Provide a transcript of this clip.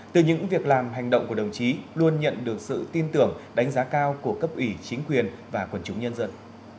từ những việc làm hành động của đồng chí luôn nhận được sự tin tưởng đánh giá cao của cấp ủy chính quyền và quần chúng nhân dân